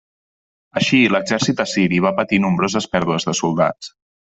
Així, l'exèrcit assiri va patir nombroses pèrdues de soldats.